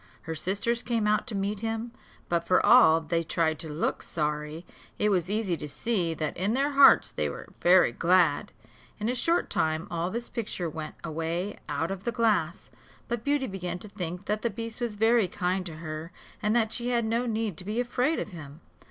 Her sisters came out to meet him, but for all they tried to look sorry, it was easy to see that in their hearts they were very glad. In a short time all this picture went away out of the glass: but Beauty began to think that the beast was very kind to her, and that she had no need to be afraid of him.